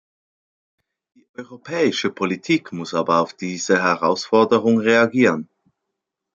Die europäische Politik muss aber auf diese Herausforderungen reagieren.